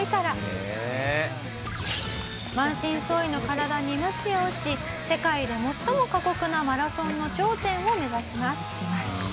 満身創痍の体にムチを打ち世界で最も過酷なマラソンの頂点を目指します。